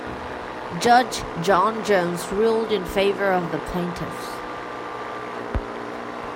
Judge John Jones ruled in favor of the plaintiffs.